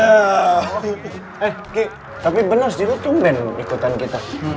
eh ki tapi benar sih lu tumben ikutan kita